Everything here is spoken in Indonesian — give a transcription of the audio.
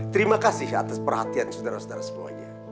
terima kasih atas perhatian saudara saudara semuanya